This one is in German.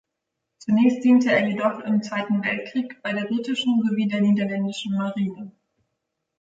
Zunächst diente er jedoch im Zweiten Weltkrieg bei der britischen sowie der niederländischen Marine.